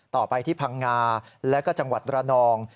ต่อไปที่พังงาและก็จังหวัดระนอง